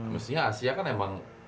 maksudnya asia kan emang